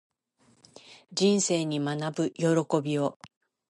人生に学ぶ喜びを